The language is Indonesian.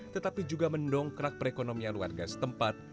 tetapi juga mendongkrak perekonomian warga setempat